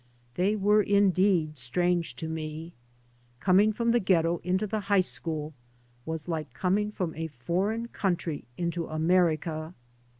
They were indeed strange to me. Coming from the ghetto into the high school was like coming from a foreign country into America.